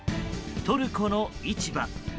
トルコの市場。